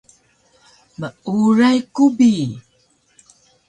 Meuray ku bi